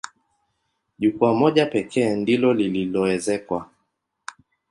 Jukwaa moja pekee ndilo lililoezekwa.